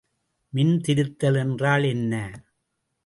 மின்திருத்தல் என்றால் என்ன?